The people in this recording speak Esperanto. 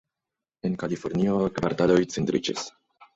En Kalifornio, kvartaloj cindriĝis.